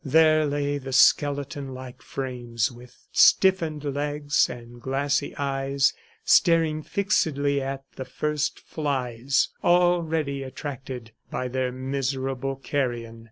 There lay the skeleton like frames with stiffened legs and glassy eyes staring fixedly at the first flies already attracted by their miserable carrion.